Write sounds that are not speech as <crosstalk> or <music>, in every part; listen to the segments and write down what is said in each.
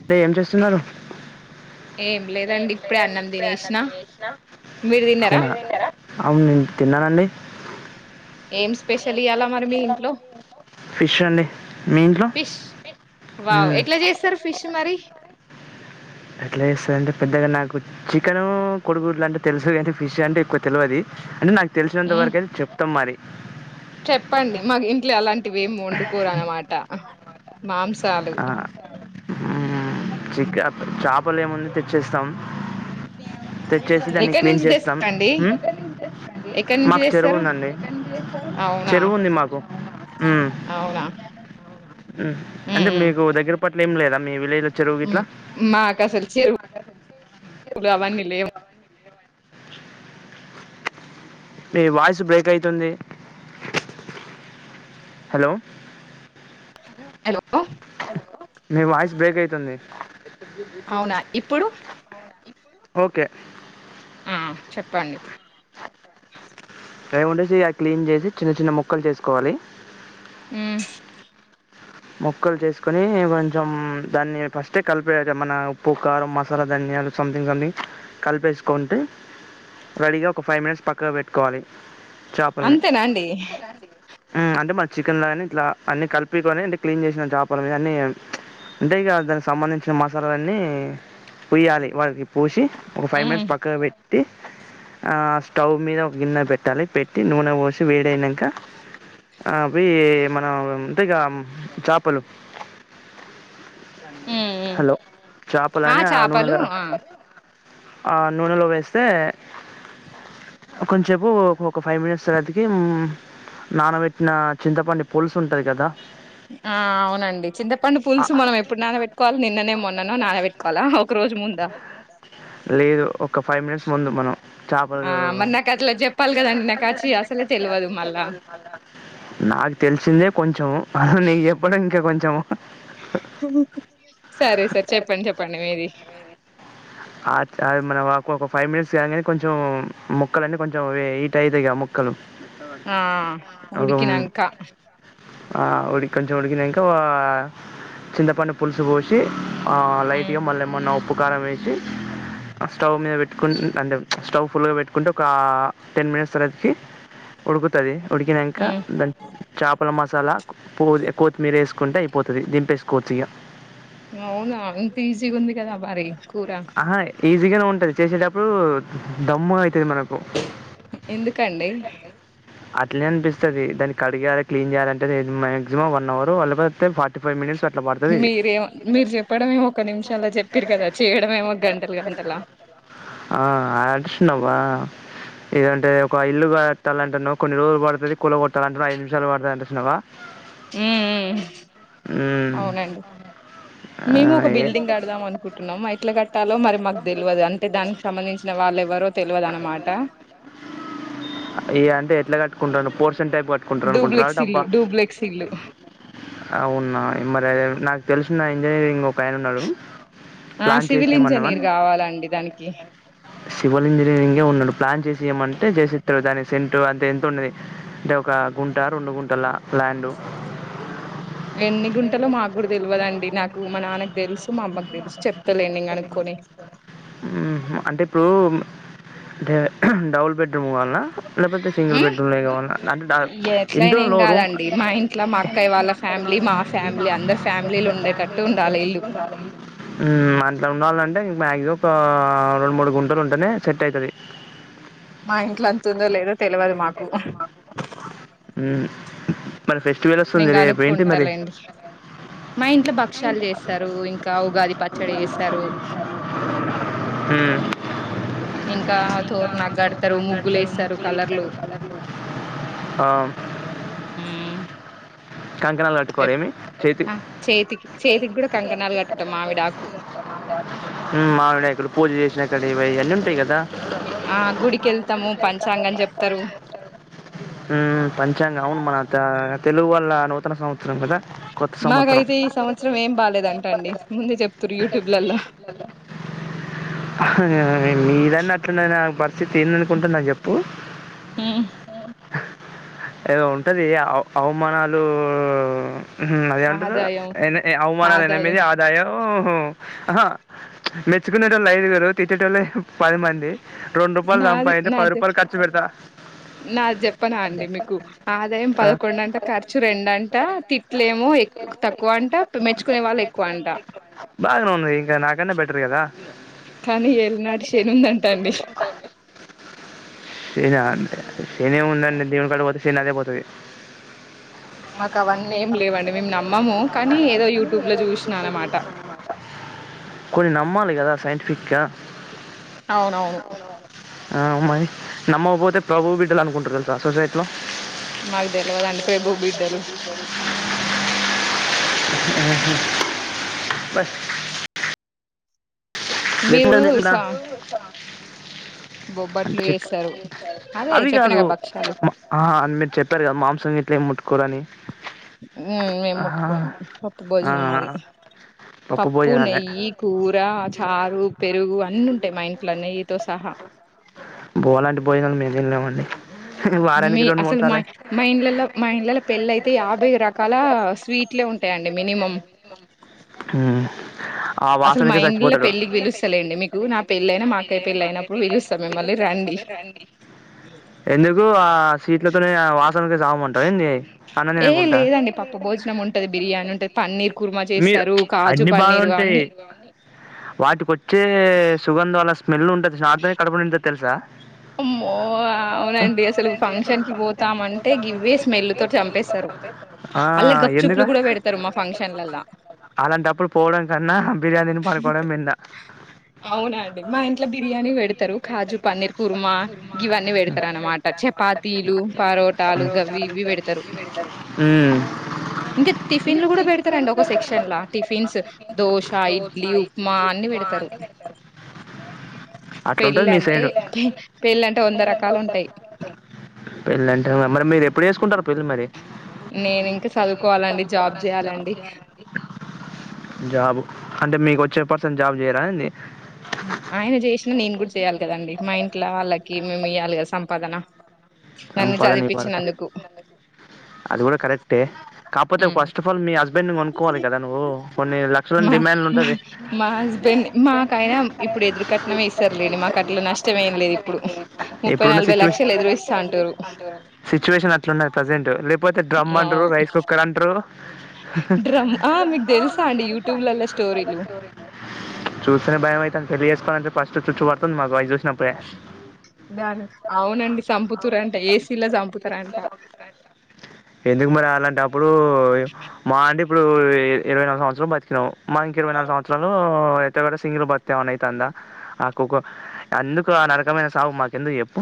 అంటే ఏం చేస్తున్నారు ఏ లేదండి ఇప్పుడే అన్నం తినేసినం మీరు తిన్నారా అవునా అవును నేను తిన్నానండి ఏం స్పెషల్ ఇయ్యాల మరి మీ ఇంట్లో ఫిష్ అండి మీ ఇంట్లో ఫిష్ వావ్ మ్మ్. ఎట్లా చేస్తారు ఫిష్ మరి అట్లే చేస్తది అంటే పెద్దగా నాకు చికెన్ కొడుగుళ్లు అంటే తెలుసు అంటే ఫిష్ అంటే కొ తెలియదు అంటే నాకు మ్మ్ తెలిసినంతవరకు అయితే చెప్తాం మరి చెప్పండి మాకు ఇంట్లో అలాంటివి ఏమి వండుకోరనమాట మాంస రాలు ఆ చిక చేపలు ఏముంది తెచ్చేస్తాం తెచ్చేసి దాన్ని ఎక్కడి క్లీన్ నుంచి చేస్తాం తెస్తాండి మ్మ్? ఎక్కడి నుంచి మాకు చెరువు తెస్తారు ఉందండి అవునా చెరువు ఉంది మాకు అవునా ఉ అంటే మీకు దగ్గర పట్ల ఏమి లేదా మీ విలేజ్ ఉ మాకసలు చెరు గవన్ని లేవు మీ వాయిస్ బ్రేక్ అయితుంది హలో హలో మీ వాయిస్ బ్రేక్ అయితుంది అవునా ఇప్పుడు ఓకే ఉ చెప్పండి అ ఉండేసి క్లీన్ చేసి చిన్న చిన్న ముక్కలు చేసుకోవాలి ఉ మొక్కలు చేసుకుొని కొంచెం దాన్ని ఫస్టే కలిపేయాలి మన ఉప్పు, కారం మసాలా దాన్ని సంథింగ్ సంథింగ్ కలిపేసుకుంటే రెడీగా ఒక ఫైవ్ మినిట్స్ పక్కగా పెట్టుకోవాలి చేపల్ని అంతేనా అండి ఉమ్ అంటే మ చికెన్ గాని ఇట్లా అన్ని కలిపికుని అంటే క్లీన్ చేసినా చేపల మీద అన్ని అంటే ఇక దానికి సంబంధించిన మసాలన్నీ ప పోయ్యాలి వాళకి పూసి ఒక ఫైవ్ మ్మ్ మినిట్స్ పక్కకి పెట్ టి ఆ స్టవ్ మీద ఒక గిన్నె పెట్టాలి పెట్టి నూనె పోసి వేడయినాక ఆ అవి మనం ఇంతే ఇక చేపలు మ్మ్ మ్మ్ హలో చాపలనే ఆ నూనెల చేపలు ఆ ఆ నూనెలో వేస్తే కొంచేపు ఒక ఒక ఫైవ్ మినిట్స్ తర్వాతికి నానబెట్టిన చింతపండు పులుసు ఉంటది కదా ఆ అవునండి చింతపండు ఆ- పులుసు మనం ఎప్పుడు నాన పెట్టుకోవాలి నిన్ననే మొన్నన నాన పెట్టుకోవాలా ఒక రోజు ము అ లేదు ఒక ఫైవ్ మినిట్స్ ముందు మనం ఆ చేపలు మరి నాకు అట్లా చెప్పాలి కదండి నాకు అచ్చి అసలే తెల్వదు మళ్ళా నాకు తెలిసిందే కొంచెం అ నీ ఎప్పుడు ఇంకా కొంచమ సరే సార్ చెప్పండి చెప్పండి మీది అది మనకు ఒక ఫైవ్ మినిట్స్ కా కానీ కొంచెం ముక్కల అన్నీ కొంచెం హీట్ అవుతాయి ఆ ముక్కలు ఆ ఓహో ఉడికినంక ఆ ఉడికి కొంచెం ఉడికినాక చింతపడు పులుసు పోసి ఆ హ్మ్ లైట్గా మళ్ళ ఏమన్నా ఉప్పు, కారం వేసి స్టవ్ మీద పెట్టుకు అంటే స్టవ్ ఫుల్ గా పెట్టుకుంటే ఒక టెన్ మినిట్స్ సరికి ఉడుకుతది ఉడికినాక హ్మ్ దాని చాపల మా మసాలా పోడి కొత్తిమీర వేసుకుంటే అయిపోతుంది దింపేసుకోవచ్చ ఇగా అవునా ఇంత ఈజీగా ఉంది కదా మరి కూర ఆహా ఈజీగానే ఉంటది చేసేటప్పుడు దమ్ము అయి ఎందుకండి అట్లనే అనిపిస్తుంది దాని కడిగాలి క్లీన్ చేయాలంటే మాక్సిమం వన్ అవర్ లేకపోతే ఫార్టీ ఫైవ్ మినిట్స్ అట్లా పడుతుంది మీరే మీరు చెప్పడం ఒక్క నిమిషల్లో చెప్పిరు కదా చేయడమే ఆ <unintelligible> ఇదంటే ఒక ఇల్లు కడట్టాలంటెన కొన్ని రోజులు పడుతుంది కూల కొట్టాలంటన్నా ఐదు నిమిషాలు పడుతంది అంటడి చూసినవా ఉ హ్మ్. అవునండి మేము ఆహ్, ఒక ఏ బిల్డింగ్ కడదాం అనుకుంటున్నాం అట్లా కట్టలో మరి మాకు తెలియదు అంటే దానికి సంబంధించిన వాళ్ళెవరో తెలియదు అన్నమాట ఈ అంటే ట్టు పోర్షన్ టైప్ కట్టుకుంట అనుకుంటున్నారా డూప్లెక్స్ డబ్బా ఇల్లు డూప్లెక్స్ ఇల్లు అవునా నాకు తెలిసిన ఇంజనీరింగ్ ఒక ఆయన ఉన్నాడు ఆ సివిల్ ఇంజనీర్ కావాలండి దానికి సివిల్ ఇంజనీరింగ్నే ఉన్నాడు ప్లాన్ చేసియమంటే చేసిస్తాడు దాని సెంట్ అంతే ఎంత ఉండది అంటే ఒక ఒక గుంట రెండు గుంటల ల్యాండు ఎన్ని గుంటలు మాకు గుడా తెలియదండి నాకు మా నాన్న తెలుసు మా అమ్మకు తెలుసు చెప్తలే ఈవెనింగ్ కనుకోని హుహు. అంటే ఇప్పుడు అంటే డబుల్ బేట్ రూమ్ కావలన లేకపోతే సింగిల్ బెడ్ రూమ్ అంటే ఎట్లయినా ఏం ఎంతనో కాదండి మా ఇంట్లో మా అక్కయ్య వాళ్ళ మా అక్కయ ఫ్యామిలీ వల్ల ఫ్యామిలీ మా అందరు ఫ్యామిలీ ఫ్యామిలీలు అందరి ఫ్యామిలీ ఉండేటట్టు ఉండాలి ఇల్లు ఉండేటట్లు <unintelligible> అంట్ల ఉండాలంటె మాక్సిమం ఒక రెండు మూడు గుంటలు ఉంటేనే సెట్ అయితది మా ఇంట్లో అంత ఉందో లేదో తెలవదు మాకు అ నేను కనుక్కుంటాలేండి మా ఇంట్లో భక్ష్యాలు చేస్తారు ఇంకా ఉగాది పచ్చ చడీ చేస్తారు హూ ఇంకా తోరాన కడు తరు ముగ్గులు వేస్తారు కలర్లు ఆ! హు కంకణాలు కట్టుకోర ఏమి చేతి ఆ చేతికి చేతికి కూడా కంకణాలు కట్టుకుంటాం మావిడాకు <unintelligible> మామిడకులు పూజ నక్కవి ఇవి అన్నీ ఉంటాయి కదా ఆ గుడికి వెళ్తాము పంచాంగం చెప్తారు పంచాంగ అవును మన తెలుగు వాల్ల నూతన సంవ మాకైతే ఈ సంవత్సరం ఏం బాగాలేదంట అండి ముందే చెప్తారు యూట్యూబ్లలో <inaudible> మీదన్న అట్లున్నా నా పరిస్థితి ఏంద అనుకుంటున్నా చెప్పు హ్ము ఏదో ఉంటది అవమానాలు అదే ఏం అంటారు ఆదాయం ఎ అవమానాలు ఎనిమీది ఆదాయం ఆదాయం ఆహా మెచ్చుకునే తోళ్ళు ఐదుగురు తిట్టే టోల్లు పది మంది రెండు రూపాయలు సంపాదిస్తే పది రూపాయలు ఖర్చు పెడతా నా చెప్పనా అండి మీకు ఆదాయం ఆ! పదకొండట ఖర్చు రెండంట తిట్లేమో తక్కువ అంట మెచ్చుకునే వాళ్ళు ఎక్కువ అంట బాగానే ఉంది ఇంకా నాకన్నా బెటర్ కదా కానీ ఎళనాటి శనుందంటా అండి శనా శనే ఏమి ఉందండి దేవుని కాడా పోతే శనీ అదే పోతుంది మాకు అవన్నీ ఏం లేవండి మేము నమ్మము కానీ ఏదో యూట్యూబ్ లో చూసినా అనమాట కొన్ని నమ్మాలి కదా సైంటిఫికా ఆ అవునవును ఆ మరి నమ్మకపోతే ప్రభువు బిడ్డలు అనుకుంటారు కదా సొసైటీలో మాగ్ దెలవదండి ప్రభూ బిడ్డలు బస్ ఎట్ల మీరు లెక్క సా అంటె బొబ్బట్లు చెప్ చేస్తారు అదే అవి చెప్పిన గాదు గా భక్షాలు మ ఆ అన్ మీరు చెప్పారు గదా మాంసం గిట్లేమ్ ముట్టుకోరని ఉమ్ ఆహా మేముట్టుకోం, పప్పు ఆ భోజనం మాది పప్పు, నెయ్యి, కూరా చ్ చారు, పెరుగు అన్నుంటయి మా ఇంట్ల నెయ్యితో సహా. తిన్నామండి మీ అసలు మా మా ఇండ్లల్ల మా ఇండ్లల్ల పెళ్ళయితే యాభై రకాల స్వీట్లే ఉంటయ్ టయండి మినిమమ్ ఉమ్ ఆ మా వాసనకె సచ్ ఇండ్లలో పెళ్ళికి న్ను పెళ్లికి మీకు నా పిలుస్తలేండి మీకూ, నా మా అక్కయ్య పెళ్ళయినా పెళ్ళి మాఅక్కయ అయినప్పుడు పిలుస్తా పెళ్లయినప్పుడు పిలుస్త మిమ్మల్ని రండి. ఎందుకు ఆ సీట్లతోనే ఆ వాసనకే సావమంటవ ఏంది? అన్నం ఏ తినకుంటా లేదండి పప్పు భోజనం ఉంటది, బిర్యానుంటది, పన్నీర్ కుర్మ చేస్తరు, కాజు పన్నీర్ గావ్ టె వాటికొచ్చే సుగంధాళ స్మెల్ ఉంటద్ జూస్నవా? ఆటితోనే కడుపునిండుతది తెల్సా మ్మో అవునండి అసలు ఫంక్షన్ కి పోతామంటే గివ్వే స్మెల్లు తోటి చంపేస్ తరు ఆ అల్ల గప్ ఎందుక చుప్లు గూడ బెడతరు మా ఫంక్షన్లలా. అలాంటప్పుడు పోవడం కన్నా, బిర్యాన్ దిని అవునా అండి మా ఇంట్ల బిర్యానీ బెడతరు కాజు పన్నీర్ కుర్మా గివన్నీ పెడతరన్నమాట చపాతీలు, పరోటాలు గవ్వి ఇవ్వి బెడతరు. మ్మ్ ఇంక టిఫిన్లు గూడ బెడతరండి ఒక సెక్షన్ ల టిఫిన్స్ దోశ, ఇడ్ల్ ప్మా అన్ని బెడతరు అట్లుంటది మీ పెళ్లంటే సైడు పె పెళ్లంటే వంద రకాలు ఉంటయి పెళ్ళంటే మరి మీరు ఎప్పుడు చేసుకుంటారు పెళ్ళి మరి నేనింక సదువుకోవాలండి జాబ్ జేయాలండి జాబ్ అంటే మీకొచ్చే పర్సన్ట్ జాబ్ జేయడా ఏంది ఉమ్ ఆయన జేసిన నేను గూడ చేయాలి కదండి, మా ఇంట్ల వాళ్ళకి మేమియ్యాలి గదా సంపాదన నన్ను సంపాదనివ్వాలి క చదివిపించినందుకు అది గూడ కరెక్టే, కాక్పోతే ఉమ్ ఫస్ట్ ఆఫ్ ఆల్ మీ హస్బెండ్ని గొనుక్కోవాలి గదా నువ్వు కొన్ని లక్షల మా మా మా హస్బెండ్ ని మాకైనా ఇప్పుడు ఎదురు కట్నమే ఇస్తరులేండి, మాకట్ల నష్టం ఏం లేదిప్పుడు. ముప్పై ఇప్పుడున్న నలభై సిచ్యువేషన్ లక్షలు ఎదురు ఇస్ సిచ్యువేషన్ అట్లున్నది ప్రజెంట్, లేపోత్ తె డ్రమ్ అంటరు, అవును రైస్ కుక్కర్ అంటరు. డ్రమ్ ఆ మీకు తెలుసా అండి యూట్యూబ్లలో స్టోరీలు చూస్తనే బయమైతాంది పెళ్లి జేస్కోవాలంటనే పస్టు చుచ్చు పడ్తుంది మాకు అయి జూస్ దానికి అవునండి చంపుతురంట ఏసీలో చంపుతారంట ఎందుకు మరి అలాంటప్పుడూ మా అంటే ఇప్పుడు ఇ ఇరవై నాలుగు సంవత్సరాలు బతికినము, మాకింక ఇరవై నాలుగు సంవత్సరాలూ త్తె గూడ సింగిల్గ బత్తే ఏమన్నయితాందా? ఆ కుక్క ఎందుకు ఆ నరకమైన సావు మాకెందుకు జెప్పు?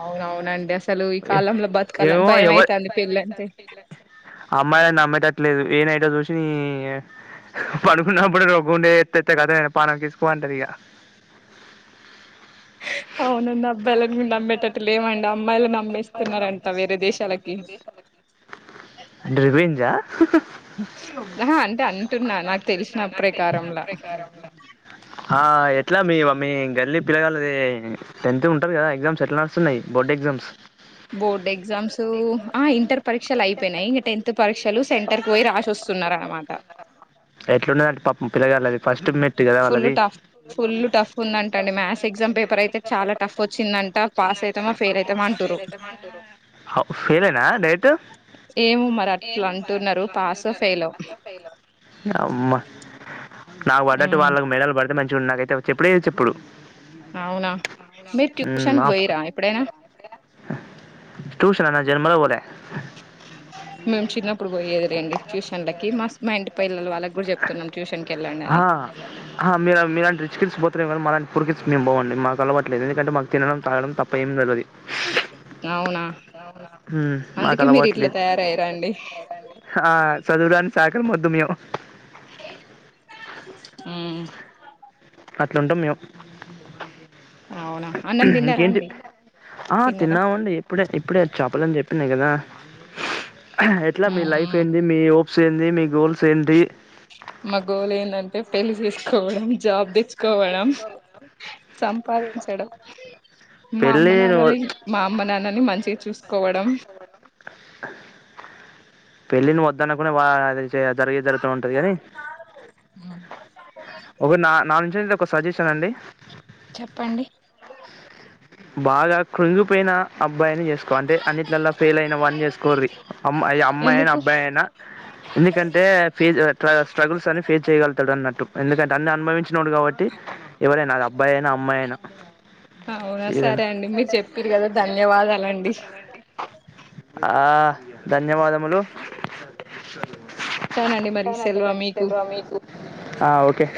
అవునవునండి అసలు ఈ కాలంల బతకాల ఏమో ఎవ భయమయితాంది పెళ్ళంటే అమ్మాయిలని నమ్మేటట్లేదు ఏ నైటో చూసీ య పడుకున్నప్పుడు రోక్బండ ఎత్తెత్తే ఖతామే ఇగ పానం కిస్కుమంటదిగ. అవునండబ్బాయిలకు నమ్మేటట్టు లేమండమ్మాయిల నమ్మేస్తున్నరంట వేరే దేశాలకి అంటె రివెంజా? ఆహా అంటే అంటున్నా నాకు తెలిసిన ప్రకారంలా ఆ ఎట్ల మీ మ మ్మీ గల్లి పిలగాళ్లది టెన్త్ ఉంటరు గదా ఎగ్జామ్స్ ఎట్ల నడుస్తున్నయ్ బోర్డ్ ఎగ్జామ్స్? బోర్డ్ ఎగ్జామ్స్ ఆ ఇంటర్ పరీక్షలయిపోయినయి, ఇంగ టెన్త్ పరీక్షలు సెంటర్ కు పోయి రాసోస్ సున్నా ఆర అన్ మాట ఎట్లు ఉండదంట్ పప్ ముగ్గురే కద్ లే అది ఫస్ట్ మెట్టు కదా ఫుల్ వాళ్ళది టఫ్ ఫుల్ టఫ్ ఉందంట అండి మ్యాథ్స్ ఎగ్జామ్ పేపర్ అయితే చాలా టఫ్ వచ్చిందంట పాస్ అయితామా ఫెయిల్ అయితామా అంటుర్రు హవ్ పెలేనా డైరెక్ట్ ఏమో మరి అట్లా అంటు ఉన్నారు పాసో ఫెయిలో అమ్మా నాకు పడ్డట్టు వాళ్ళకి మెడల్ పడితే మంచిగా నాకైతే చెప్పుడే చెప్పుడు అవునా మీరు ట్యూషన్ కు పోయిరా ఎప్పుడ అయినా టూషన్న జన్మలో పోలే మేము చిన్నప్పుడు పోయేది రెండి ట్యూషన్లకి మా మైండ్ ఆ అ మీర్ అ మీలాంటి రిచకీల్స్ పోతురే మాలా అంటి వాల్ పుడ్ కిచ్చుకునే మో అండి మాకు అలవాట్లే దు ఎందుకఅంటే మాకు తినడం తాగడం తప్ప ఏం జరగదు అది అవునా మ్ మాకు అందుకే మీరు అలవాట్ ఇట్లా లేదు తయారయ్యారండి ఆ చదురాని సా ఇక్కడ మొత్తం ఏమో ఊ అట్లు ఉంటామ్ మేము అవునా అన్నం ఇంకే తిన్నారా ఎంటి అండి ఆ తిన్నారా తిన్నామ్ అండి ఎప్పుడే ఇప్పుడే చాపల లేన్ చేప్పి అటనే కదా ఎట్లా మీ ఉమ్ లైఫ్ ఉమ్ ఏంది మీ ఓ సేంది మీ గోల్స్ ఎంటి మా గోళ్ ఏంట అంటే పెళ్లి చేసుకోవడంమ్ జాబ్ తెచ్చుకోవడం సంపాదించడంమ్ మా పెళ్లి అమ్మ నువ్వు నాన్నల్ నీ మా అమ్మ నాన్నని మంచిగా చూసుకోవడం మ్ పెళ్ళి నువు వద్ద అన్న కుడ వా అదే జరిగే జరుగుత ఉంట అది కానీ అ ఒక నా నాన్ నుంచి ఒక సజీషన్ అండి చెప్ప అండి బాగా కుళ్ళుపోయినా అబ్బాయిని చేసుకో అంటే అన్నింట్ల అల్లా ఫెయిల్ అయిన వాన్ని చేసుకో న్ రి అమ్మా అయ్యా అమ్మాయినా ఎందుకు అబ్బాయి అయినా ఎందుకంటే ఫిజ్ స్ట్ర స్ట్రగుల్స్ అన్ని ఫేస్ చేయగలుగుతాడ అన్నట్టు ఎందుకంటే అన్ని అనుభవించి నోడు కాబట్టి ఎవర్ అయినా అది అబ్బాయి అయినా అమ్మాయి అయినా అవునా ఏదైనా సరే అండి మీరు చెప్పిరు కదా ధన్యవాదాల అండి ఆ, ధన్యవాదములు ఉంటానండి మరి అవునా అండి సెలవ మీకు పరీక్షలు రావు మీకు ఆ ఓకే